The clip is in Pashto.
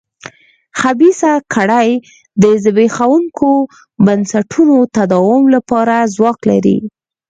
خبیثه کړۍ د زبېښونکو بنسټونو تداوم لپاره ځواک لري.